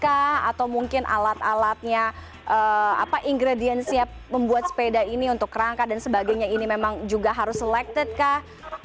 atau mungkin alat alatnya apa ingredientsnya pembuat sepeda ini untuk rangka dan sebagainya ini memang juga harus selected kah